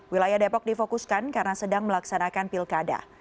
wilayah depok difokuskan karena sedang melaksanakan pilkada